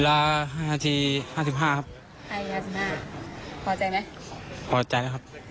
พรุ่งนี้ว่าน้ำสูบเถอะสิครับ